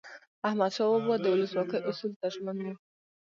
احمدشاه بابا به د ولسواکۍ اصولو ته ژمن و.